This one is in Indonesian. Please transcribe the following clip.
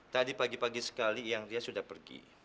tadi pagi pagi sekali iang ria sudah pergi